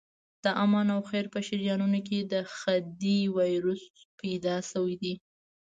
د آمن او خیر په شریانونو کې د خدۍ وایروس پیدا شوی دی.